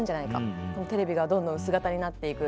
テレビがどんどん薄型になっていく。